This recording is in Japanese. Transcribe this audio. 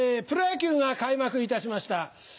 プロ野球が開幕いたしました。